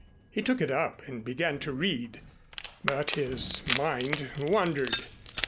He took it up and began to read, but his mind wandered.